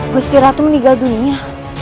gusti ratu meninggal dunia